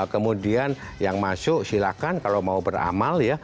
kemudian yang masuk silakan kalau mau beramal ya